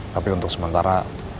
tapi untuk sementara